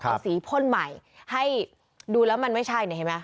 เอาสีพ่นใหม่ให้ดูแล้วมันไม่ใช่เนี่ยเห็นไหม